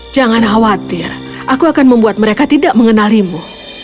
jangan khawatir aku akan membuat mereka tidak mengenalimu